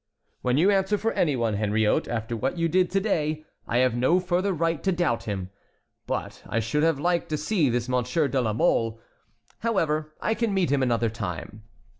"When you answer for any one, Henriot, after what you did to day, I have no further right to doubt him. But I should have liked to see this Monsieur de la Mole. However, I can meet him another time."